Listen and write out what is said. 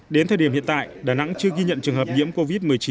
đến thời điểm hiện tại đà nẵng chưa ghi nhận trường hợp nhiễm covid một mươi chín